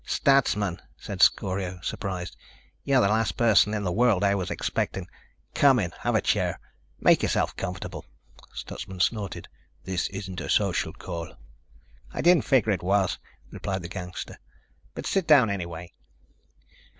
"Stutsman," said Scorio, surprised. "You're the last person in the world I was expecting. Come in. Have a chair. Make yourself comfortable." Stutsman snorted. "This isn't a social call." "I didn't figure it was," replied the gangster, "but sit down anyway."